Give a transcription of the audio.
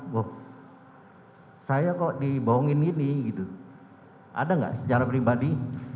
wah saya kok dibohongin gini gitu ada nggak secara pribadi